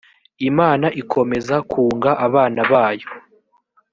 imana ikomeza kunga abana bayo.